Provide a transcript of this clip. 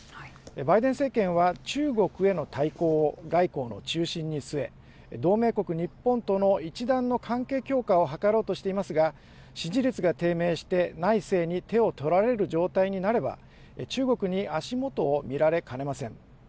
バイデン政権は、中国への対抗外交の中心に据え、同盟国日本との一段の関係強化を図ろうとしていますが、支持率が低迷して、内政に手を取られる状態になれば、中国に足元を見られかねません。